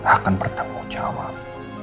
akan bertanggung jawab